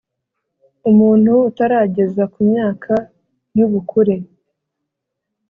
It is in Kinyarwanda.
Umuntu utarageza ku myaka y ubukure